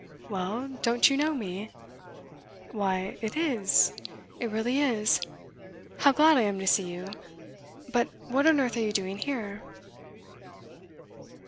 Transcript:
'Well, don't you know me?' 'Why, it is it really is! How glad I am to see you! But what on earth are you doing here?